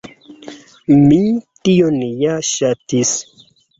Mi tion ja ŝatis.